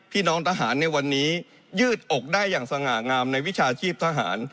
พี่น้องทหารในวันนี้ยืดอกได้อย่างสง่างามในวิชาชีพทหาร